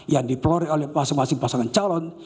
yang diplori oleh pasangan pasangan calon